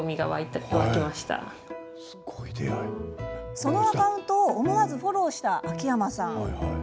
そのアカウントを思わずフォローした秋山さん。